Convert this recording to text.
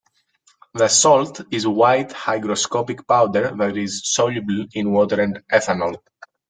The salt is a white hygroscopic powder that is soluble in water and ethanol.